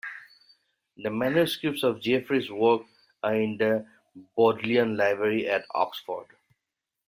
The manuscripts of Geoffrey's works are in the Bodleian Library at Oxford.